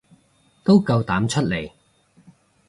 都夠膽出嚟